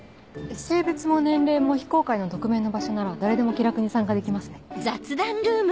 性別も年齢も非公開の匿名の場所なら誰でも気楽に参加できますね。